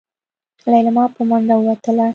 ليلما په منډه ووتله.